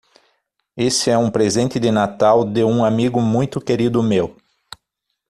Esse é um presente de Natal de um amigo muito querido meu.